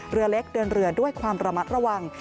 เรือเล็กเดินเรือด้วยความระมัดระวัง